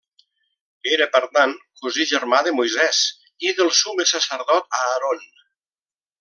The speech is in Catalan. Era, per tant, cosí-germà de Moisès i del Summe Sacerdot Aaron.